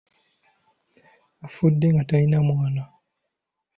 Afudde nga talina mwana.